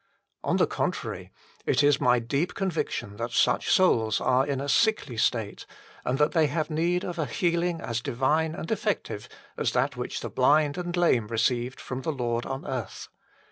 On the contrary, it is rny deep conviction that such souls are in a sickly state and that they have need of a healing as divine and effective as that which the blind and lame received from the Lord on earth.